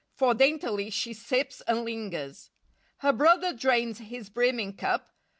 For daintily she sips and lingers. Her brother drains his brimming cup.